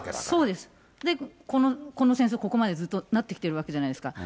で、この戦争、ここまでずっとなってきてるわけじゃないですか。